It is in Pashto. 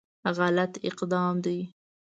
غلط اقدام دی.